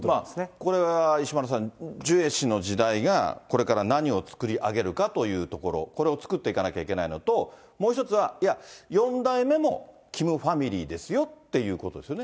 これは、石丸さん、ジュエ氏の時代が、これから何を作り上げるというところ、これを作っていかなきゃいけないのと、もう一つは、いや、４代目もキムファミリーですよってことですよね。